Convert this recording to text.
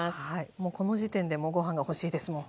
もうこの時点でもうご飯が欲しいですもん。